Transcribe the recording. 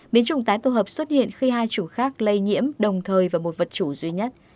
biến trùng tái tổ hợp xuất hiện khi hai chủ khác lây nhiễm đồng thời và một vật chủ duy nhất